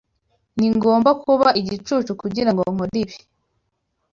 Ningomba kuba igicucu kugirango nkore ibyo.